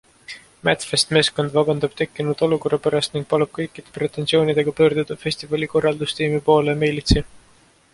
Madfest meeskond vabandab tekkinud olukorra pärast ning palub kõikide pretensioonidega pöörduda festivali korraldustiimi poole meilitsi.